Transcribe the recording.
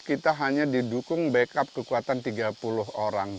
kita hanya didukung backup kekuatan tiga puluh orang